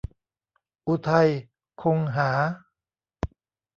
อุทัย คงหา